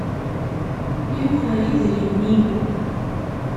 Yuker-iyi idrimen-inu.